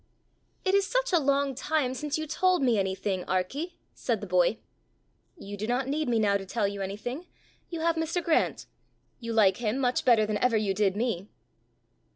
"It is such a long time since you told me anything, Arkie!" said the boy. "You do not need me now to tell you anything: you have Mr. Grant! You like him much better than ever you did me!"